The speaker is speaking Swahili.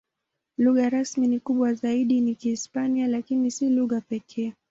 Lugha rasmi na kubwa zaidi ni Kihispania, lakini si lugha pekee.